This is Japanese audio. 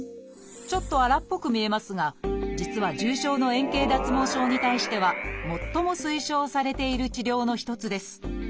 ちょっと荒っぽく見えますが実は重症の円形脱毛症に対しては最も推奨されている治療の一つです。